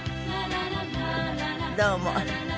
どうも。